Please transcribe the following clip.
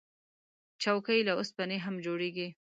چوکۍ له اوسپنې هم جوړیږي.